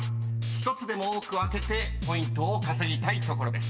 ［１つでも多く開けてポイントを稼ぎたいところです］